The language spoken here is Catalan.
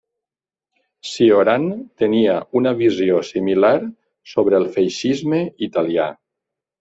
Cioran tenia una visió similar sobre el feixisme italià.